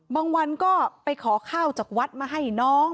วันก็ไปขอข้าวจากวัดมาให้น้อง